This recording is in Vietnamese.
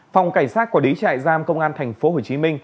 phòng cảnh sát quản lý trại giam công an tp hcm